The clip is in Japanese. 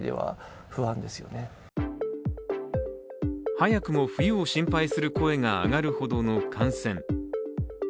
早くも冬を心配する声が上がるほどの感染。